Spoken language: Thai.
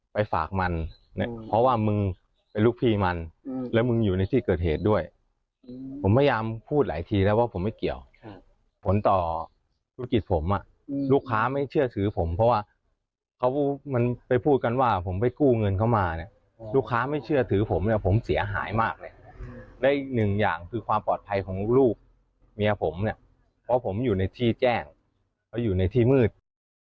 ไปฝากมันเนี่ยเพราะว่ามึงเป็นลูกพี่มันแล้วมึงอยู่ในที่เกิดเหตุด้วยผมพยายามพูดหลายทีแล้วว่าผมไม่เกี่ยวผลต่อธุรกิจผมอ่ะลูกค้าไม่เชื่อถือผมเพราะว่าเขามันไปพูดกันว่าผมไปกู้เงินเข้ามาเนี่ยลูกค้าไม่เชื่อถือผมเนี่ยผมเสียหายมากเลยและหนึ่งอย่างคือความปลอดภัยของลูกเมียผมเนี่ยเพราะผมอยู่ในที่แจ้งแล้วอยู่ในที่มืด